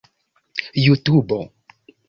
jutubo